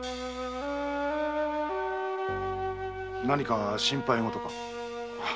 何か心配事か？